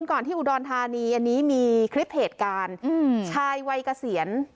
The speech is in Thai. ก่อนที่อุดรธานีอันนี้มีคลิปเหตุการณ์ชายวัยเกษียณ